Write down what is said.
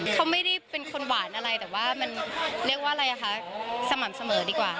เขาไม่ได้เป็นคนหวานอะไรแต่ว่ามันเรียกว่าอะไรอ่ะคะสม่ำเสมอดีกว่า